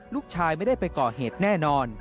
ลูกชายไม่ได้ไปก่อเหตุแน่นอน